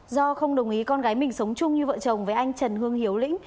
do không đồng ý con gái mình sống chung như vợ chồng với anh trần hương hiếu lĩnh